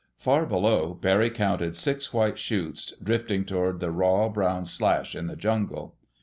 Far below, Barry counted six white 'chutes drifting toward the raw, brown slash in the jungle.